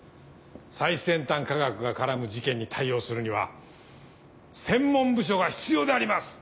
最先端科学が絡む事件に対応するには専門部署が必要であります！」